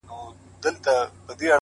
چي یو غټ سي د پنځو باندي یرغل سي٫